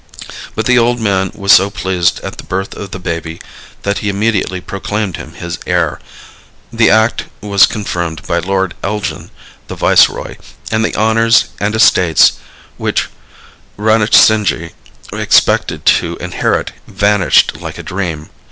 But the old man was so pleased at the birth of the baby that he immediately proclaimed him his heir, the act was confirmed by Lord Elgin, the viceroy, and the honors and estates which Ranjitsinhji expected to inherit vanished like a dream.